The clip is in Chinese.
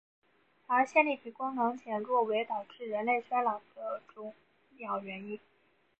而线粒体功能减弱为导致人类衰老的重要因素。